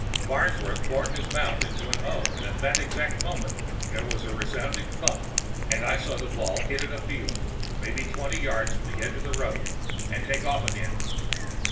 Farnsworth formed his mouth into an "Oh" and exactly at that moment there was a resounding thump and I saw the ball hit in a field, maybe twenty yards from the edge of the road, and take off again.